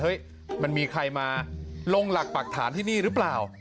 มันมีใครมาลงหลักปรักฐานที่นี่หรือเปล่า